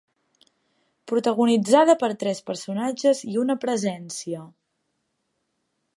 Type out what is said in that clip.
Protagonitzada per tres personatges i una presència.